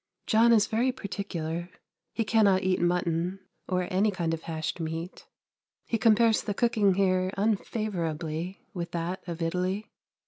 John is very particular. He cannot eat mutton, or any kind of hashed meat. He compares the cooking here unfavourably with that of Italy.